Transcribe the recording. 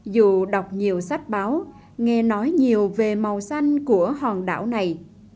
dù đọc nhiều sách báo nghe nói nhiều về màu xanh của hòn đảo này